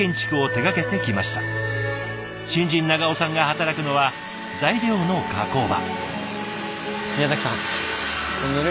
新人長尾さんが働くのは材料の加工場。